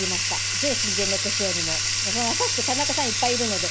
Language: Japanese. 上司に連絡しようにも、まさしくたなかさんいっぱいいるので。